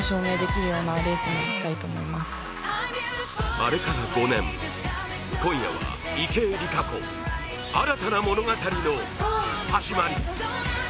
あれから５年、今夜は池江璃花子、新たな物語の始まり。